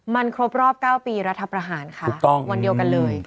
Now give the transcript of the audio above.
มันครบรอบ๙ปีรัฐประหารค่ะวันเดียวกันเลย